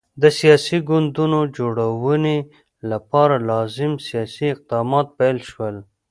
د سیاسي ګوندونو جوړونې لپاره لازم سیاسي اقدامات پیل شول.